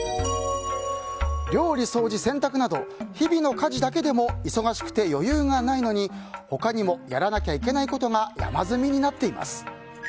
料理・掃除・洗濯など日々の家事だけでも忙しくて余裕がないのに他にもやらなきゃいけないことが山積みになっています。